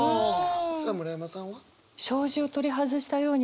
さあ村山さんは？